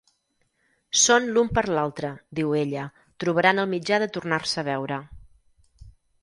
Són l'un per l'altre, diu ella, trobaran el mitjà de tornar-se a veure.